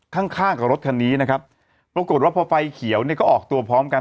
ข้างข้างกับรถคันนี้นะครับปรากฏว่าพอไฟเขียวเนี่ยก็ออกตัวพร้อมกัน